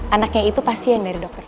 anaknya itu pasien dari dokter